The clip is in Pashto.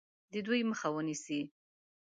د دوی مخه ونیسي.